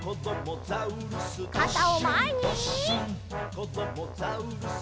「こどもザウルス